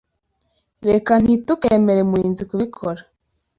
Reka ntitukemere Murinzi kubikora.